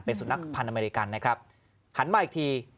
สุนัขพันธ์อเมริกันนะครับหันมาอีกที